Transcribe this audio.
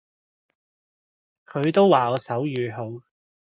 佢都話我手語好